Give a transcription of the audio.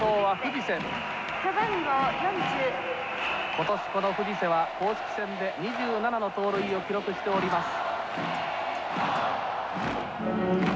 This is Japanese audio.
今年この藤瀬は公式戦で２７の盗塁を記録しております。